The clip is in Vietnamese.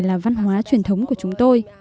là văn hóa truyền thống của chúng tôi